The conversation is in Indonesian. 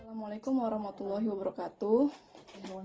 assalamualaikum warahmatullahi wabarakatuh